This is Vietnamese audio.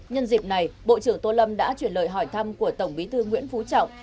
nhân dịp này bộ trưởng tô lâm đã chuyển lời hỏi thăm của tổng bí thư nguyễn phú trọng